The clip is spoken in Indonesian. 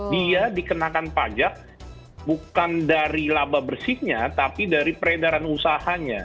dia dikenakan pajak bukan dari laba bersihnya tapi dari peredaran usahanya